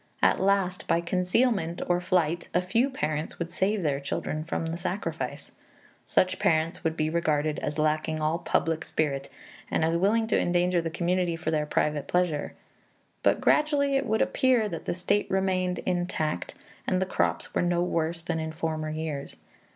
At last, by concealment or flight, a few parents would save their children from the sacrifice. Such parents would be regarded as lacking all public spirit, and as willing to endanger the community for their private pleasure. But gradually it would appear that the state remained intact, and the crops were no worse than in former years.